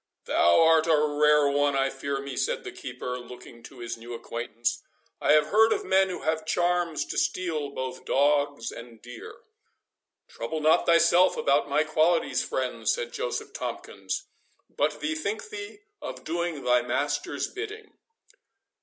"Thou art a rare one, I fear me," said the keeper, looking to his new acquaintance. "I have heard of men who have charms to steal both dogs and deer." "Trouble not thyself about my qualities, friend," said Joseph Tomkins, "but bethink thee of doing thy master's bidding."